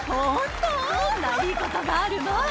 どんないいことがあるの？